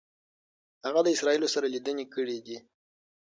هغه د اسرائیلو سره لیدنې کړي دي.